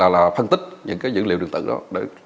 là phân tích những cái dữ liệu đường tử đó